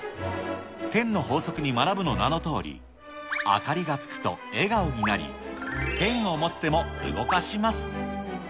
天の法則に学ぶの名のとおり、明かりがつくと笑顔になり、ペンを持つ手も動かします。